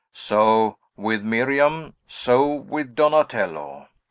So with Miriam; so with Donatello.